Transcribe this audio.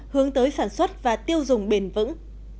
hướng tới sản xuất và tiêu dùng bền vững